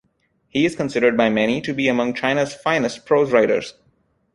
He is considered by many to be among China's finest prose writers.